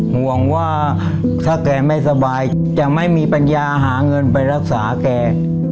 ห่วงว่าถ้าแกไม่สบายจะไม่มีปัญญาหาเงินไปรักษาแก